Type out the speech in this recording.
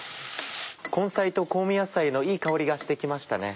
根菜と香味野菜のいい香りがして来ましたね。